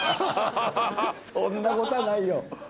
そんなことはないよ。